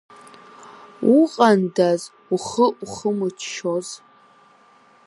Уҟандаз, ухы уахымыччоз!